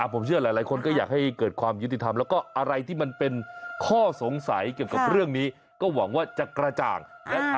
ผมเชื่อหลายคนก็อยากให้เกิดความยุติธรรมแล้วก็อะไรที่มันเป็นข้อสงสัยเกี่ยวกับเรื่องนี้ก็หวังว่าจะกระจ่าง